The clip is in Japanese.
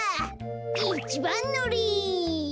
いちばんのり。